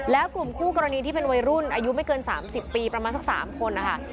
แล้วกลุ่มคู่กรณีที่เป็นวัยรุ่นอายุไม่เกิน๓๐ปีประมาณสัก๓คนนะคะ